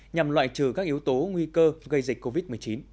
nhằm loại trừ các yếu tố nguy cơ gây dịch covid một mươi chín